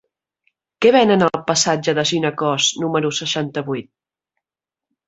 Què venen al passatge de Ginecòs número seixanta-vuit?